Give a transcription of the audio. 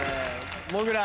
もぐら。